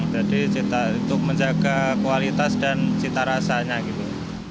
jadi cita untuk menjaga kualitas dan cita rasanya gitu